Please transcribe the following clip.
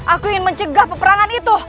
aku ingin mencegah peperangan itu